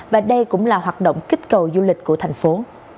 và đây cũng là hoạt động kích cầu du lịch của thành phố